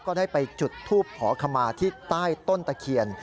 ได้ไปจุดทูปขอขมาที่ใต้ต้นตะเคียน